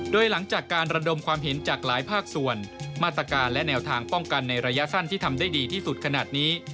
โดยหลังจากการระดมความเห็นจากหลายภาคส่วนมาตรการและแนวทางป้องกันในระยะสั้นที่ทำได้ดีที่สุดขนาดนี้